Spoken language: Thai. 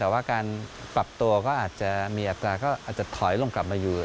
แต่ว่าการปรับตัวก็อาจจะมีอัตราก็อาจจะถอยลงกลับมาอยู่